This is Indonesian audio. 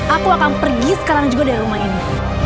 aku akan pergi sekarang juga dari rumah ini